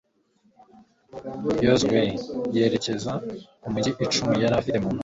yozuwe yerekeza ku mugi icumu yari afite mu ntoki